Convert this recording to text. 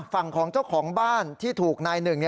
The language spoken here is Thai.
ฝั่งของเจ้าของบ้านที่ถูกนายหนึ่ง